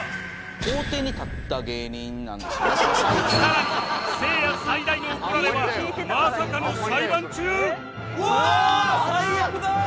さらにせいや最大の怒られはまさかの裁判中？